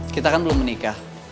kita kan belum menikah